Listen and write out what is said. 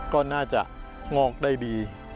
ก็น่าจะงอกได้ดี